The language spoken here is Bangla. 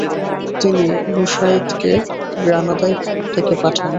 তিনি রুশায়দকে গ্রানাদায় ডেকে পাঠান।